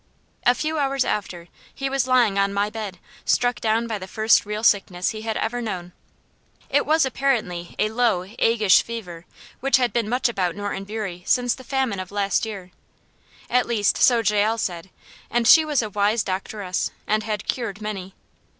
A few hours after, he was lying on my bed, struck down by the first real sickness he had ever known. It was apparently a low agueish fever, which had been much about Norton Bury since the famine of last year. At least, so Jael said; and she was a wise doctoress, and had cured many.